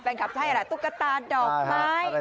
แฟนคลับให้อะไรตุ๊กตาดอกไม้